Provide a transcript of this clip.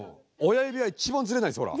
親指は一番ズレないですほら。